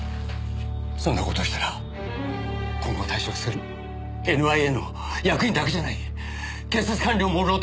そんな事をしたら今後退職するＮＩＡの役員だけじゃない警察官僚も路頭に迷う。